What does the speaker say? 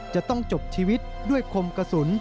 จะต้องจบชีวิตด้วยคมกระสุน